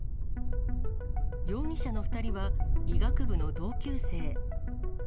容疑者の２人は、医学部の同級生。